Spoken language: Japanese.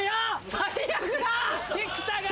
最悪だ！